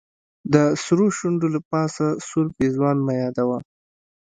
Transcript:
د سرو شونډو له پاسه سور پېزوان مه يادوه